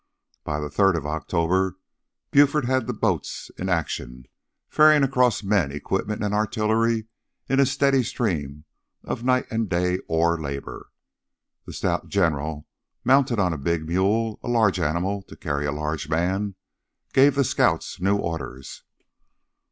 By the third of October Buford had the boats in action, ferrying across men, equipment, and artillery in a steady stream of night and day oar labor. The stout General, mounted on a big mule, a large animal to carry a large man, gave the scouts new orders.